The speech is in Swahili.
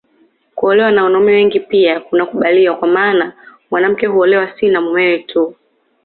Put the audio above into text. Kuolewa na wanaume wengi pia kunakubaliwa kwa maana mwanamke huolewa si na mumewe tu